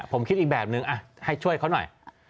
ผมคิดอีกแบบนึงให้ช่วยเขาหน่อย